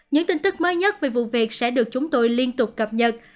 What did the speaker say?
những tin tức mới nhất về vụ việc sẽ được chúng tôi liên tục cập nhật